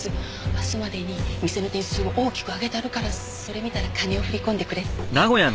明日までに店の点数を大きく上げたるからそれ見たら金を振り込んでくれって。